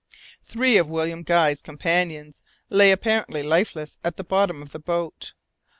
Three of William Guy's companions lay apparently lifeless in the bottom of the boat.